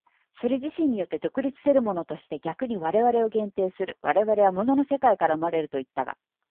それ自身によって独立せるものとして逆に我々を限定する、我々は物の世界から生まれるといったが、